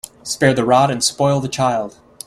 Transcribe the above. Spare the rod and spoil the child.